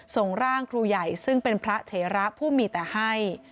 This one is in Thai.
ส่งร่างครูใหญ่ซึ่งเป็นพระเถระผู้มีแต่ให้